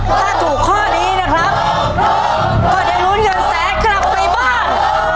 ถ้าถูกข้อนี้นะครับก็เดี๋ยวรุ้นหย่อนแสกลับไปบ้าง